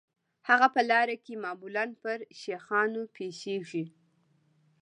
هغه په لاره کې معمولاً پر شیخانو پیښیږي.